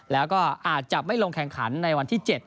แล้วก็อาจจะไม่ลงแข่งขันในวันที่๗